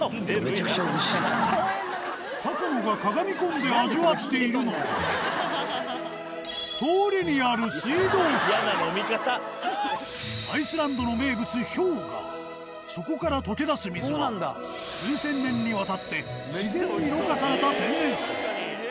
高野がかがみ込んで味わっているのは通りにあるそこから解け出す水は数千年にわたって自然にろ過された天然水。